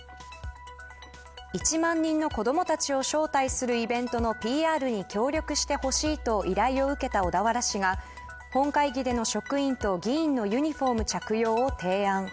１万人の子どもたちを招待するイベントのＰＲに協力してほしいと依頼を受けた小田原市が本会議での職員と議員のユニホーム着用を提案。